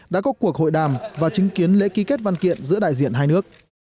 đã có cuộc hội đàm và chứng kiến lễ ký kết văn kiện giữa đại diện hai nước